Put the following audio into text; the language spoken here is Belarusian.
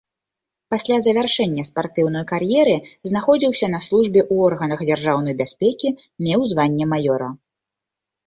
Пасля завяршэння спартыўнай кар'еры знаходзіўся на службе ў органах дзяржаўнай бяспекі, меў званне маёра.